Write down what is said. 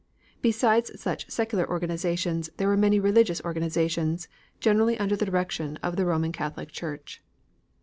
Besides such secular organizations, there were many religious organizations, generally under the direction of the Roman Catholic Church.